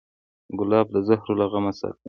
ګلاب د زهرو له غمه ساتي.